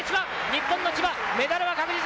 日本の千葉、メダルは確実。